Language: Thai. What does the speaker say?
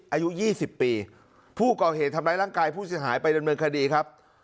อายุ๒๐ปีผู้ก่อเหตุทำร้ายร่างกายผู้เสียหายไปดำเนินคดีครับ